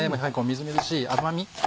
みずみずしい甘み。